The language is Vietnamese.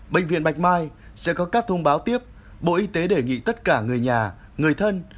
bệnh viện bạch mai sẽ có các thông báo tiếp bộ y tế đề nghị tất cả người nhà người thân